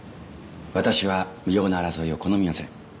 私は無用な争いを好みません。